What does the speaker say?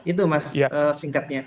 itu mas singkatnya